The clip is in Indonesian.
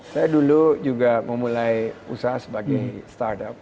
saya dulu juga memulai usaha sebagai startup